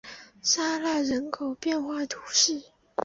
沙赖人口变化图示